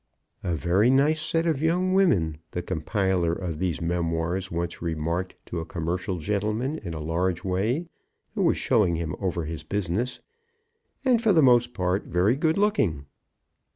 "A very nice set of young women," the compiler of these memoirs once remarked to a commercial gentleman in a large way, who was showing him over his business, "and for the most part very good looking."